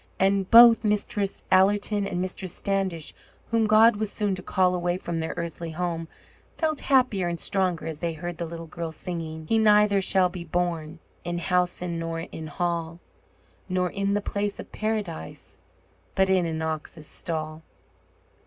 And both Mistress Allerton and Mistress Standish, whom God was soon to call away from their earthly home, felt happier and stronger as they heard the little girl singing: He neither shall be born In housen nor in hall, Nor in the place of Paradise, But in an ox's stall.